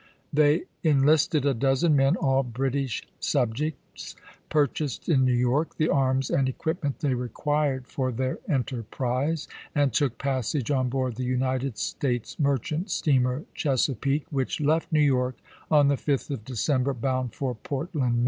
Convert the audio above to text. They enlisted a dozen men, all British subjects, purchased in New York the arms and equipment they required for their enterprise, and took passage on board the United States merchant steamer CJiesapeake, which left New York on the 5th of December, bound for Portland, Maine.